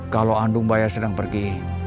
kalau andung baya sedang pergi